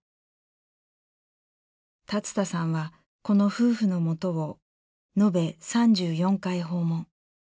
龍田さんはこの夫婦のもとを延べ３４回訪問。